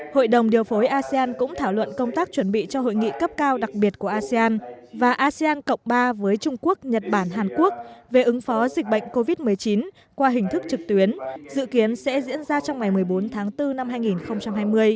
hội đồng điều phối asean cũng thảo luận công tác chuẩn bị cho hội nghị cấp cao đặc biệt của asean và asean cộng ba với trung quốc nhật bản hàn quốc về ứng phó dịch bệnh covid một mươi chín qua hình thức trực tuyến dự kiến sẽ diễn ra trong ngày một mươi bốn tháng bốn năm hai nghìn hai mươi